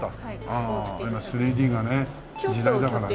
ああ今３Ｄがね時代だからね。